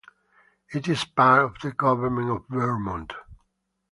It is part of the Government of Vermont.